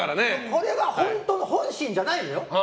これが本当の本心じゃないのよ。